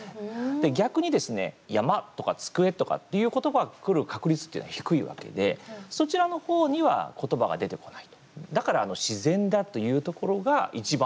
逆にですね「山」とか「机」とかっていう言葉がくる確率っていうのは低いわけでそちらの方には言葉が出てこない。